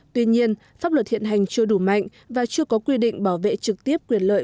tuy nhiên pháp luật hiện hành chưa đủ mạnh và chưa có quy định bảo vệ trực tiếp quyền lợi